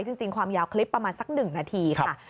จริงความยาวคลิปประมาณสัก๑นาทีค่ะ